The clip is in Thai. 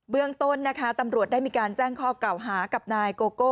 เรื่องต้นนะคะตำรวจได้มีการแจ้งข้อกล่าวหากับนายโกโก้